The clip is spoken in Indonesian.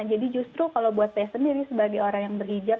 jadi justru kalau buat saya sendiri sebagai orang yang belum belajar